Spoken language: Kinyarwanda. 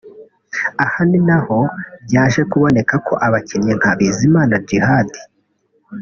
Aha ni naho byaje kuboneka ko abakinnyi nka Bizimana Djihad